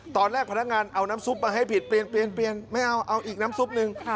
ตอนแรกพนักงานเอาน้ำซุปมาให้ผิดเปลี่ยนเปลี่ยนไม่เอาเอาอีกน้ำซุปหนึ่ง